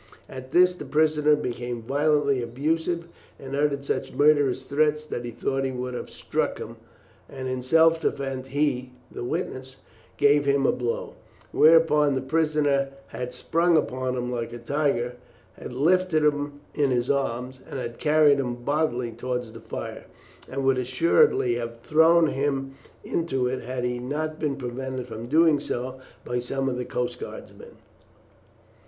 At this the prisoner became violently abusive and uttered such murderous threats that he thought he would have struck him, and in self defence he (the witness) gave him a blow, whereupon the prisoner had sprung upon him like a tiger, had lifted him in his arms, and had carried him bodily towards the fire, and would assuredly have thrown him into it had he not been prevented from doing so by some of the coast guardsmen."